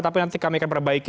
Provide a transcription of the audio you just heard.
tapi nanti kami akan perbaiki